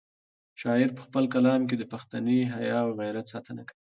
شاعر په خپل کلام کې د پښتني حیا او غیرت ساتنه کوي.